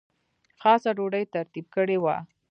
خاصه ډوډۍ ترتیب کړې وه.